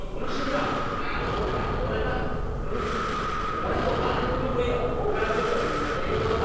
俺とランニングウエアを交換するというそういうことだ。